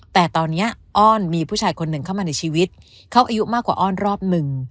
แต่ตอนนี้อ้อนมีผู้ชายคนหนึ่งเข้ามาในชีวิตเขาอายุมากกว่าอ้อนรอบหนึ่ง